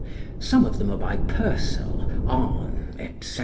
Some of them are by Purcell, Arne, etc.